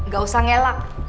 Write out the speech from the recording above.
gak usah ngelak